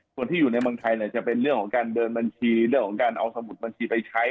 ส่วนที่อยู่ในเมืองไทยจะเป็นเรื่องของการเดินบัญชีเรื่องของการเอาสมุดบัญชีไปใช้